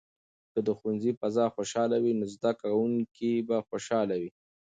که د ښوونځي فضا خوشحاله وي، نو زده کوونکي به خوشاله وي.